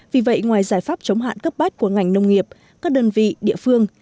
vì vậy ngoài giải pháp chống hạn cấp bách của ngành nông nghiệp các đơn vị địa phương